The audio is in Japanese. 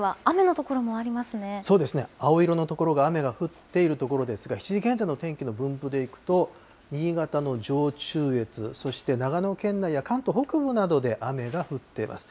そうですね、青色の所が雨が降っている所ですが、７時現在の天気の分布でいくと、新潟の上中越、そして長野県内や関東北部などで雨が降っています。